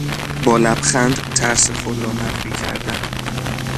با لبخند ترس خود را مخفی کردن